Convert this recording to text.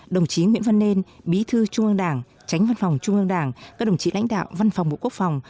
đồng chí nguyễn văn nên bí thư trung ương đảng tránh văn phòng trung ương đảng các đồng chí lãnh đạo văn phòng bộ quốc phòng